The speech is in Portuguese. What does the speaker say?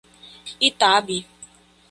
Itabi